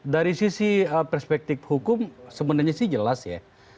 dari sisi perspektif hukum sebenarnya sih jelas ya